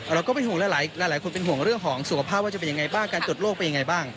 เราก็เป็นหัวหลายคนเป็นห่วงเรื่องของสุขภาพกับอะไรตรวจโปรดโรคไปยังไงบ้าง